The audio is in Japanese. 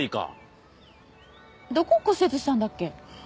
どこ骨折したんだっけ？